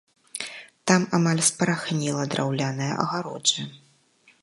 Там амаль спарахнела драўляная агароджа.